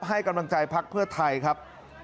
ให้กำลังใจพักเพื่อไทยครับ